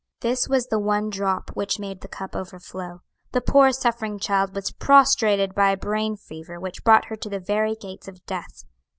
This was the one drop which made the cup overflow. The poor suffering child was prostrated by a brain fever which brought her to the very gates of death.